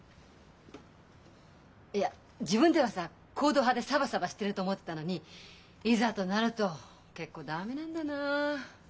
いや自分ではさ行動派でサバサバしてると思ってたのにいざとなると結構駄目なんだな。